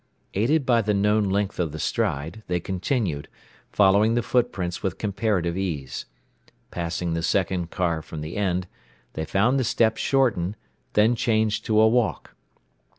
Aided by the known length of the stride, they continued, following the footprints with comparative ease. Passing the second car from the end, they found the steps shorten, then change to a walk.